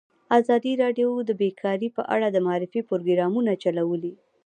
ازادي راډیو د بیکاري په اړه د معارفې پروګرامونه چلولي.